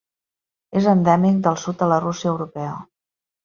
És endèmic del sud de la Rússia Europea.